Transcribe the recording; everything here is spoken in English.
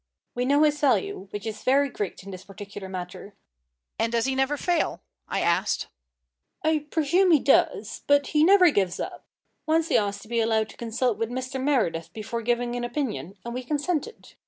"We know his value, which is very great in this particular matter." "And does he never fail?" I asked. "I presume he does, but he never gives up. Once he asked to be allowed to consult with Mr. Meredith before giving an opinion, and we consented.